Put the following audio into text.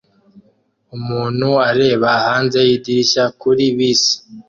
Umuntu areba hanze yidirishya kuri bisi